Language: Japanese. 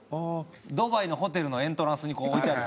ドバイのホテルのエントランスにこう置いてある。